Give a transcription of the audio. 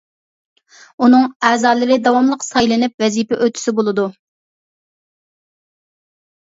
ئۇنىڭ ئەزالىرى داۋاملىق سايلىنىپ ۋەزىپە ئۆتىسە بولىدۇ.